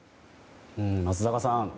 松坂さん。